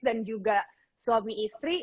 dan juga suami istri